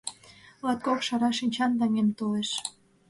- Латкок шара шинчан таҥем толеш.